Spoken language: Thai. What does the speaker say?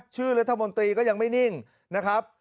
ชื่อรัฐมนตรีก็ยังไม่นิ่งนะครับ